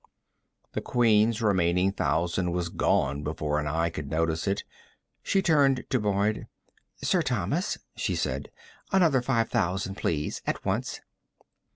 The Queen's remaining thousand was gone before an eye could notice it. She turned to Boyd. "Sir Thomas," she said. "Another five thousand, please. At once."